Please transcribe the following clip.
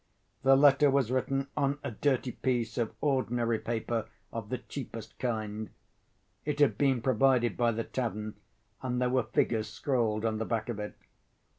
The letter was written on a dirty piece of ordinary paper of the cheapest kind. It had been provided by the tavern and there were figures scrawled on the back of it.